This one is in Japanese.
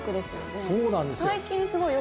そうなんですよ。